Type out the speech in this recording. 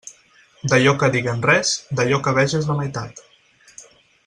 D'allò que diguen res, d'allò que veges la meitat.